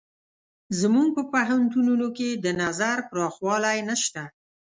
زموږ په پوهنتونونو کې د نظر پراخوالی نشته.